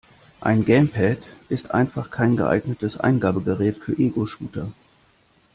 Ein Gamepad ist einfach kein geeignetes Eingabegerät für Egoshooter.